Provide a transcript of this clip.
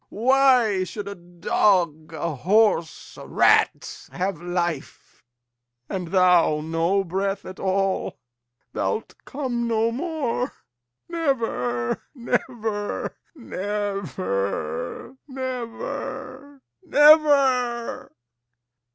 Why should a dog, a horse, a rat, have life, And thou no breath at all? Thou'lt come no more, Never, never, never, never, never!